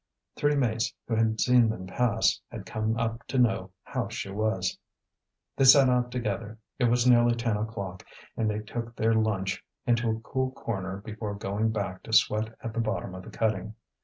Three mates who had seen them pass had come up to know how she was. They set out together. It was nearly ten o'clock, and they took their lunch into a cool corner before going back to sweat at the bottom of the cutting.